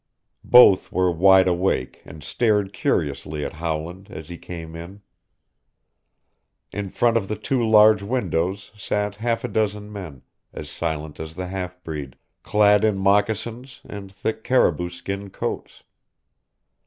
Both were wide awake and stared curiously at Howland as he came in. In front of the two large windows sat half a dozen men, as silent as the half breed, clad in moccasins and thick caribou skin coats.